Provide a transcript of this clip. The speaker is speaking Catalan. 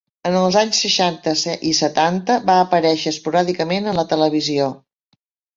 En els anys seixanta i setanta va aparèixer esporàdicament en la televisió.